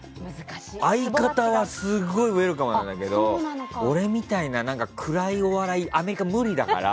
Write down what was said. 相方はすごいウェルカムなんですけど俺みたいな暗いお笑いアメリカ、無理だから。